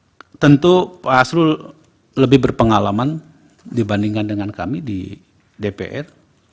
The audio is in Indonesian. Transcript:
ya tentu pak asrul lebih berpengalaman dibandingkan dengan kami di dpr